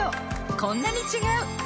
こんなに違う！